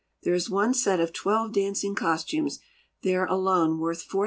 There is one set of twelve dancing costumes there alone worth $4800.